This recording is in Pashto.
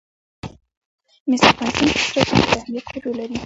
مس د افغانستان په ستراتیژیک اهمیت کې رول لري.